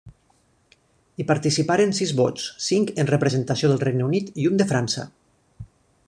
Hi participaren sis bots, cinc en representació del Regne Unit i un de França.